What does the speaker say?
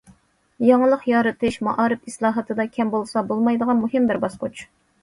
« يېڭىلىق يارىتىش»— مائارىپ ئىسلاھاتىدا كەم بولسا بولمايدىغان مۇھىم بىر باسقۇچ.